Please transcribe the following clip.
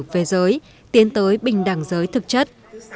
về giới tiến tới bình đẳng giới thực chất